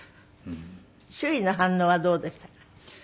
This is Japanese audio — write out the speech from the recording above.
周囲の反応はどうでしたか？